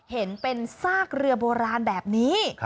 เห็นเป็นซากเรือโบราณแบบนี้